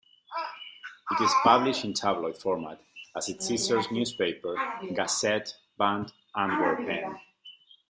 It is published in tabloid format as its sister newspaper "Gazet van Antwerpen".